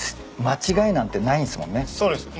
間違いなんてないんすもんね。